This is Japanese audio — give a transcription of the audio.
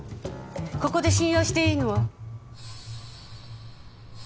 ここで信用していいのは。